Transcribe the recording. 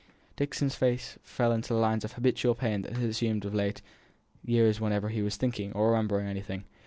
Dixon's face fell into the lines of habitual pain that it had always assumed of late years whenever he was thinking or remembering anything.